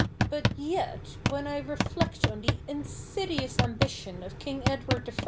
But yet when I reflect on the insidious ambition of King Edward I.